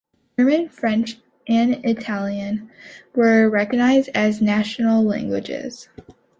German, French and Italian were recognized as national languages.